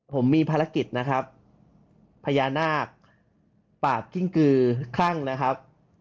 ผมมีภารกิจนะครับพญานาคปากกิ้งกือคลั่งนะครับ